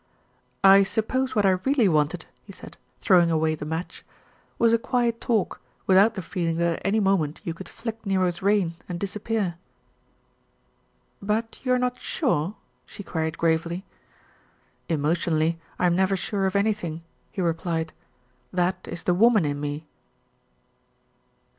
"I suppose what I really wanted," he said, throwing away the match, "was a quiet talk, without the feeling that at any moment you could flick Nero's rein and disappear." "But you are not sure?" she queried gravely. "Emotionally, I am never sure of anything," he replied. "That is the woman in me."